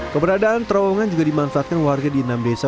keberadaan terowongan juga dimanfaatkan warga di enam desa